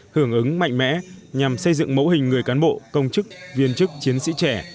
hưởng ứng mạnh mẽ nhằm xây dựng mẫu hình người cán bộ công chức viên chức chiến sĩ trẻ